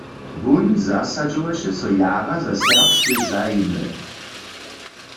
Wón zasadźowaše so jara za serbske zajimy.